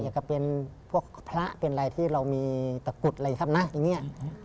อย่างกับพวกพระเป็นอะไรที่เรามีตะกรุดอะไรอย่างนี้